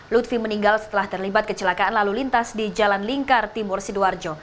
lutfi meninggal setelah terlibat kecelakaan lalu lintas di jalan lingkar timur sidoarjo